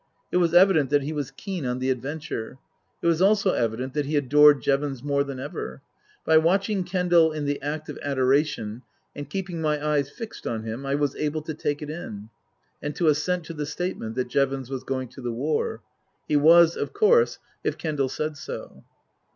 It was evident that he was keen on the adventure. It was also evident that he adored Jevons more than ever. By watching Kendal in the act of adoration and keeping my eyes fixed on him I was able to take it in, and to assent to the statement that Jevons was going to the war. He was, of course, if Kendal said so.